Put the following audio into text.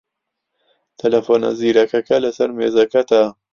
تەلەفۆنە زیرەکەکە لەسەر مێزەکەتە.